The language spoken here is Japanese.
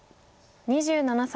２７歳。